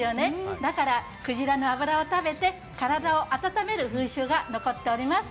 だからくじらの脂を食べて体を温める風習が残っております。